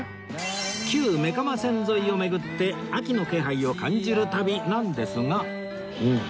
旧目蒲線沿いを巡って秋の気配を感じる旅なんですが